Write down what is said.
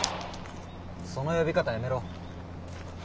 その呼び方やめろ。